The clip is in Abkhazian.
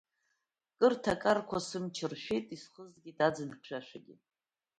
Кыр ҭакарқәа сымч ршәеит, Исхызгеит ӡын хьшәашәагьы.